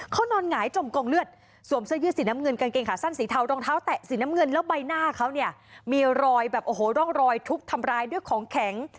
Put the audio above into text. เขานอนหงายจมกองเลือดสวมเสื้อยืดสีน้ำเงินกางเกงขาสั้นสีเทารองเท้าแตะสีน้ำเงินแล้วใบหน้าเขาเนี่ยมีรอยแบบโอ้โหร่องรอยทุบทำร้ายด้วยของแข็ง